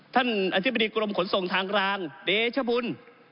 ท่านอธิบดีกรมขนส่งทางรางเดชบุญ